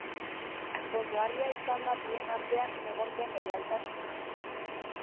Pozgarria izan da bien artean egon den leialtasuna.